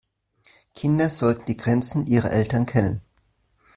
Kinder sollten die Grenzen ihrer Eltern kennen.